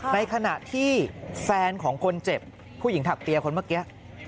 ในขณะที่แฟนของคนเจ็บผู้หญิงถักเตียคนเมื่อกี้